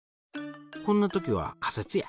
こんな時は仮説や。